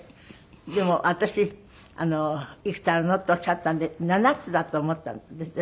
でも私「いくつあるの？」っておっしゃったんで７つだと思ったんですね。